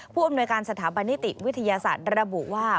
ผู้อำนวยการสถาบันนิติวิทยาศาสตร์ระบุว่า